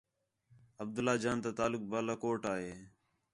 عبداللہ جان تا تعلق بالا کوٹ وا ہے